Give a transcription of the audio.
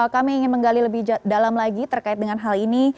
kami ingin menggali lebih dalam lagi terkait dengan hal ini